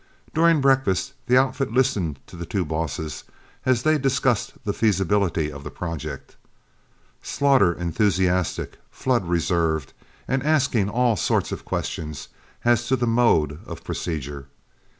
During breakfast, the outfit listened to the two bosses as they discussed the feasibility of the project, Slaughter enthusiastic, Flood reserved, and asking all sorts of questions as to the mode of procedure.